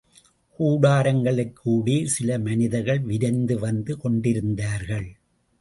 கூடாரங்களுக்கு ஊடே சில மனிதர்கள் விரைந்து வந்து கொண்டிருந்தார்கள்.